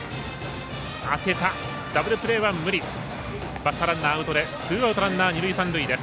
バッターランナーアウトでツーアウト、ランナー、二塁三塁。